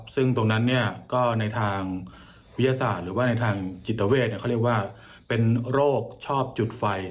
ซึ่งตรงนั้นก็ในทางวิทยาศาสตร์หรือว่าในทางจิตเวทเขาเรียกว่าเป็นโรคชอบจุดไฟ